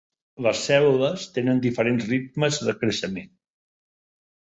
Les cèl·lules tenen diferents ritmes de creixement.